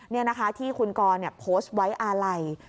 นี่นะคะที่คุณกรโพสต์ไว้อาลัย